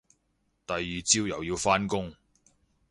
第二朝又要返工